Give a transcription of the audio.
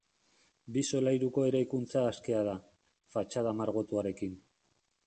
Bi solairuko eraikuntza askea da, fatxada margotuarekin.